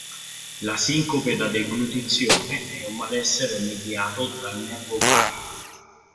La sincope da deglutizione è un malessere mediato dal nervo vago.